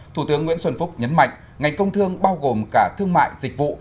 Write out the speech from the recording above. thủ tướng nguyễn xuân phúc nhấn mạnh ngành công thương bao gồm cả thương mại dịch vụ